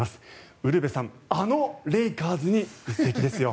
ウルヴェさん、あのレイカーズに移籍ですよ。